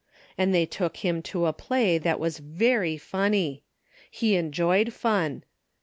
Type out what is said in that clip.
And they took him to a play that was very funny. He enjoyed fun.